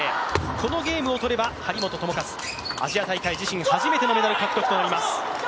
このゲームを取れば、張本智和自身アジア大会初めてのメダル獲得となります。